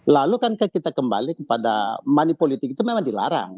lalu kan kita kembali kepada money politik itu memang dilarang